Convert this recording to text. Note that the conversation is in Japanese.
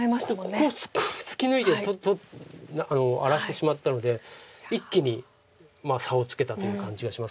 こういうふうにここを突き抜いて荒らしてしまったので一気に差をつけたという感じがします。